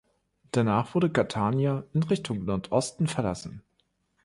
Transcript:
Danach wurde Catania in Richtung Nordosten verlassen.